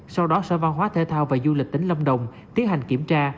sau đó sở văn hóa thể thao và du lịch tỉnh lâm đồng tiến hành kiểm tra